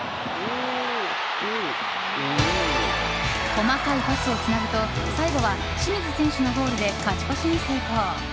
細かいパスをつなぐと最後は、清水選手のゴールで勝ち越しに成功。